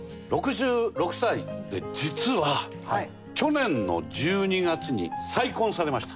で実は去年の１２月に再婚されました。